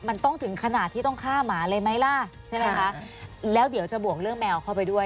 มันต้องถึงขนาดที่ต้องฆ่าหมาเลยไหมล่ะใช่ไหมคะแล้วเดี๋ยวจะบวกเรื่องแมวเข้าไปด้วย